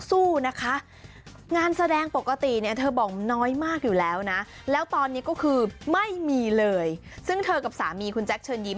ดูภาพสินะโผงศาลนี้